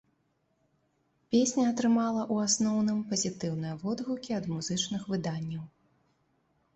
Песня атрымала, у асноўным, пазітыўныя водгукі ад музычных выданняў.